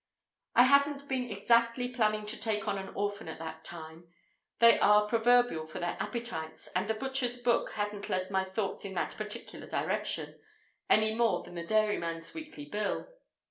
I hadn't been exactly planning to take on an orphan at that time: they are proverbial for their appetites, and the butcher's book hadn't led my thoughts in that particular direction, any more than the dairyman's weekly bill.